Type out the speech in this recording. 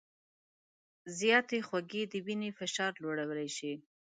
زیاتې خوږې د وینې فشار لوړولی شي.